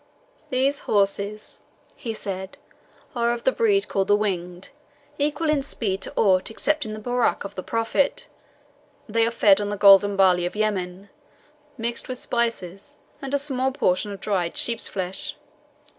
"These horses," he said, "are of the breed called the Winged, equal in speed to aught excepting the Borak of the Prophet. They are fed on the golden barley of Yemen, mixed with spices and with a small portion of dried sheep's flesh.